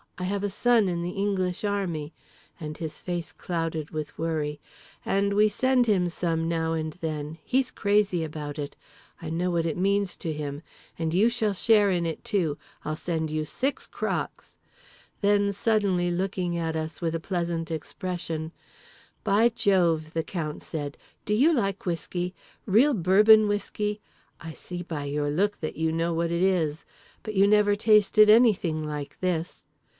"I have a son in the English Army," and his face clouded with worry, "and we send him some now and then, he's crazy about it. I know what it means to him. And you shall share in it too. I'll send you six crocks." Then, suddenly looking at us with a pleasant expression, "By Jove!" the Count said, "do you like whiskey? Real Bourbon whiskey? I see by your look that you know what it is. But you never tasted anything like this.